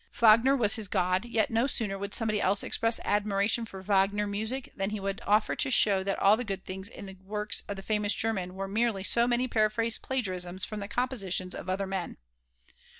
Wagner was his god, yet no sooner would somebody else express admiration for Wagner music than he would offer to show that all the good things in the works of the famous German were merely so many paraphrased plagiarisms from the compositions of other men.